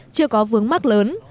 chưa có vướng mắt lớn